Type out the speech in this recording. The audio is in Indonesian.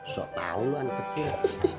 sotau lu anak kecil